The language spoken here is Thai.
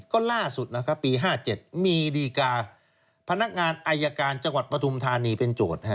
ก็ล่าสุดนะครับปี๕๗มีดีกาพนักงานอายการจังหวัดปฐุมธานีเป็นโจทย์